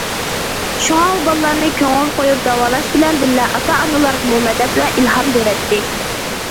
شۇڭا ئۇ بالىلارنى كۆڭۈل قويۇپ داۋالاش بىلەن بىللە، ئاتا- ئانىلارغىمۇ مەدەت ۋە ئىلھام بېرەتتى.